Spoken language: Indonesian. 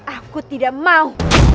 aku tidak mau